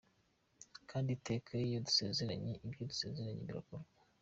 Kandi iteka iyo dusezeranye ibyo dusezeranye birakorwa.